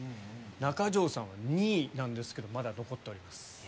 中条さんは２位なんですけどまだ残っております。